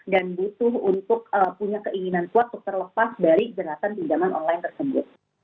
dan butuh untuk punya keinginan kuat untuk terlepas dari jelasan pinjaman online tersebut